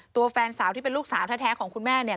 แฟนสาวที่เป็นลูกสาวแท้ของคุณแม่เนี่ย